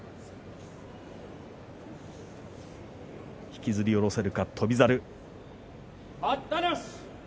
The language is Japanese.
引きずり下ろせるか翔猿。